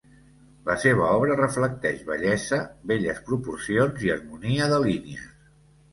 La seva obra reflecteix bellesa, belles proporcions i harmonia de línies.